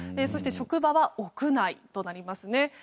そして職場は屋内となりますね。